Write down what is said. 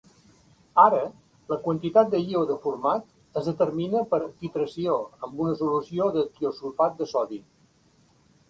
Ara, la quantitat de iode format es determina per titració amb una solució de tiosulfat de sodi.